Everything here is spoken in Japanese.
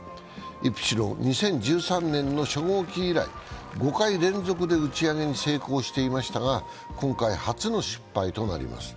「イプシロン」は２０１３年の初号機以来、５回連続で打ち上げに成功していましたが今回初の失敗となります。